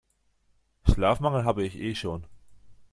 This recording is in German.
Schlafmangel habe ich eh schon.